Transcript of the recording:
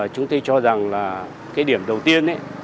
chúng tôi cho rằng cái điểm đầu tiên